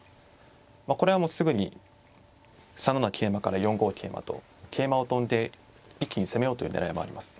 これはもうすぐに３七桂馬から４五桂馬と桂馬を跳んで一気に攻めようという狙いもあります。